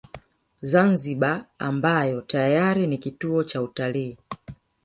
Zanzibar ambayo tayari ni kituo cha utalii